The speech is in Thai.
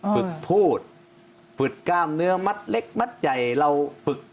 ฝึกพูดฝึกกล้ามเนื้อมัดเล็กมัดใหญ่เราฝึก